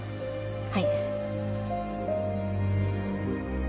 はい。